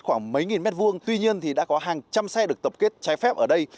vào mấy nghìn mét vuông tuy nhiên thì đã có hàng trăm xe được tập kết trái phép ở đây